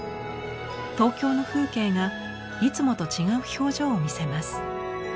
東京の風景がいつもと違う表情を見せます。